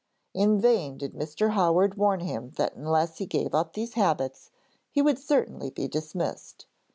In vain did Mr. Howard warn him that unless he gave up these habits he would certainly be dismissed.